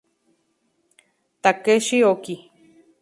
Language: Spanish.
Takeshi Oki